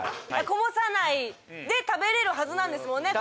こぼさないで食べれるはずなんですもんね